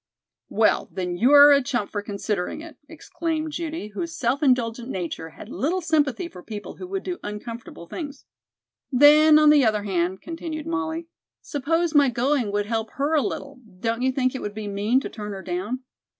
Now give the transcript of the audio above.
"Well, then you are a chump for considering it!" exclaimed Judy, whose self indulgent nature had little sympathy for people who would do uncomfortable things. "Then, on the other hand," continued Molly, "suppose my going would help her a little, don't you think it would be mean to turn her down?